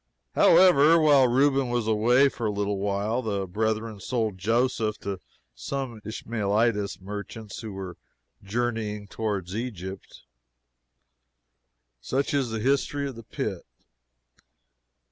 However, while Reuben was away for a little while, the brethren sold Joseph to some Ishmaelitish merchants who were journeying towards Egypt. Such is the history of the pit.